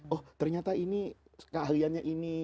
oh ternyata ini keahliannya ini